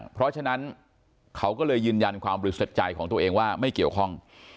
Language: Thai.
เพราะฉะนั้นเขาก็เลยยืนยันความบริสุทธิ์ใจของตัวเองว่าไม่เกี่ยวข้อง